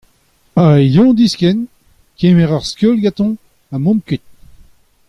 Hag eñ diskenn, kemer ar skeul gantañ, ha mont kuit.